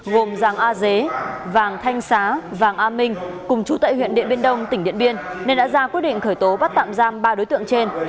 gồm giàng a dế vàng thanh xá vàng a minh cùng chú tại huyện điện biên đông tỉnh điện biên nên đã ra quyết định khởi tố bắt tạm giam ba đối tượng trên